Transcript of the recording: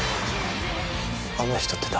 あの人って誰？